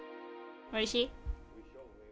おいしい？